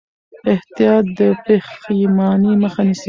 احتیاط د پښېمانۍ مخه نیسي.